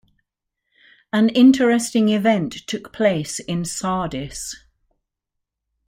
An interesting event took place in Sardis.